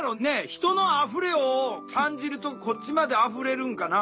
人の「あふれ」を感じるとこっちまであふれるんかな？